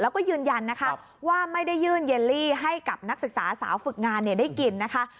แล้วก็ยืนยันนะคะว่าไม่ได้ยื่นเยลลี่ให้กับนักศึกษาสาวฝึกงานได้กินนะคะ